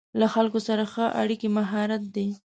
له خلکو سره ښه اړیکې مهارت دی.